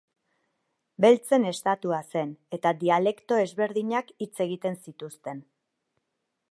Beltzen estatua zen eta dialekto ezberdinak hitz egiten zituzten.